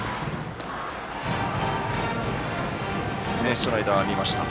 スライダーは見ました。